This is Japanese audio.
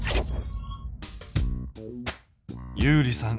ゆうりさん